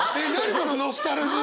このノスタルジー。